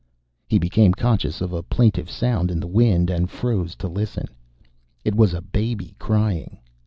He became conscious of a plaintive sound in the wind, and froze to listen. It was a baby crying.